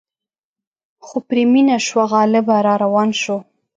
خو پرې مینه شوه غالبه را روان شو.